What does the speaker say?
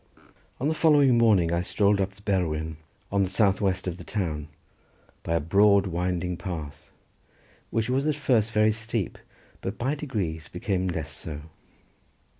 On the following morning I strolled up the Berwyn on the south west of the town, by a broad winding path, which was at first very steep, but by degrees became less so.